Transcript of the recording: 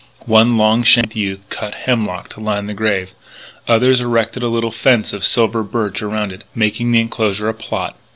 One long shanked youth cut hemlock to line the grave; others erected a little fence of silver birch around it, making of the enclosure a "plot."